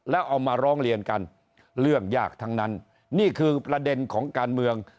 แล้วเอามาร้องเรียนกันเรื่องยากทั้งนั้นนี่คือประเด็นของการเมือง